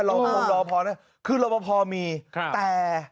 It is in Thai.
แล้วกันของรอพคือรอพมีแต่